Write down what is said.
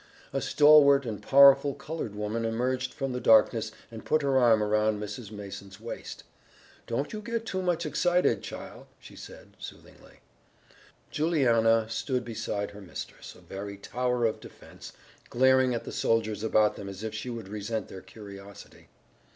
A stalwart and powerful colored woman emerged from the darkness and put her arm around Mrs. Mason's waist. "Don't you get too much excited, chile," she said soothingly. Juliana stood beside her mistress, a very tower of defense, glaring at the soldiers about them as if she would resent their curiosity.